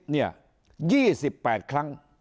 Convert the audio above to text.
๑๐เนี่ย๒๘ครั้ง